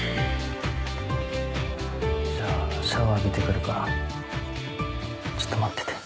じゃあシャワー浴びてくるからちょっと待ってて。